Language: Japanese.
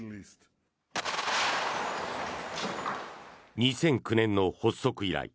２００９年の発足以来